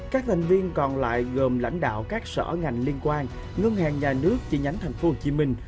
các thành viên còn lại gồm lãnh đạo các sở ngành liên quan ngân hàng nhà nước chi nhánh tp hcm